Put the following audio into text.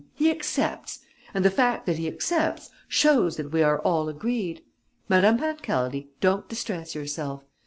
He accepts! And the fact that he accepts shows that we are all agreed! Madame Pancaldi, don't distress yourself.